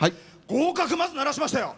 合格まず鳴らしましたよ！